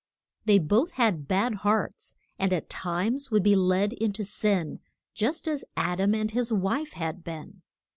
They both had bad hearts, and at times would be led in to sin, just as Ad am and his wife had been.